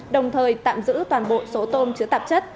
đồng thời tạm giữ toàn bộ số tôm chứa tạp chất